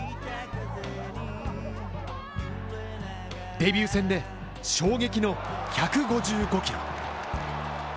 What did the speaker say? デビュー戦で衝撃の１５５キロ。